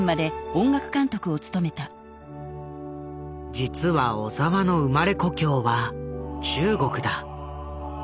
実は小澤の生まれ故郷は中国だ。